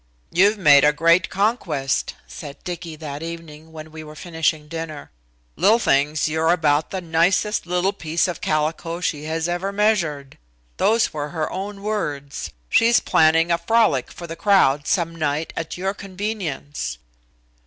"You've made a great conquest," said Dicky that evening when we were finishing dinner, "Lil thinks you're about the nicest little piece of calico she has ever measured those were her own words. She's planning a frolic for the crowd some night at your convenience."